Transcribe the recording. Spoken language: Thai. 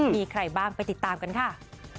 มีใครบ้างไปติดตามกันค่ะ